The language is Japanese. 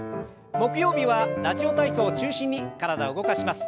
木曜日は「ラジオ体操」を中心に体を動かします。